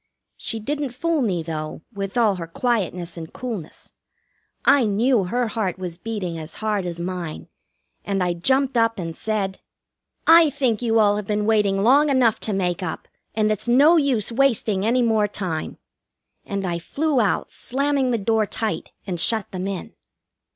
She didn't fool me, though, with all her quietness and coolness. I knew her heart was beating as hard as mine, and I jumped up and said: "I think you all have been waiting long enough to make up, and it's no use wasting any more time." And I flew out, slamming the door tight, and shut them in.